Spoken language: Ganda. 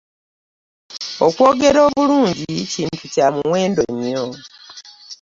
Okwogera obulungi kintu kya muwendo nnyo .